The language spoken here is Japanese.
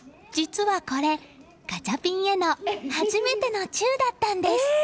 実はこれ、ガチャピンへの初めてのチューだったんです。